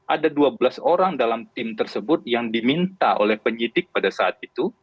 ada dua belas orang dalam tim tersebut yang diminta oleh penyidik pada saat itu